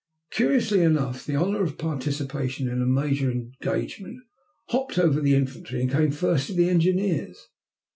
Curiously enough, the honor of participation in a major engagement hopped over the infantry and came first to the engineers.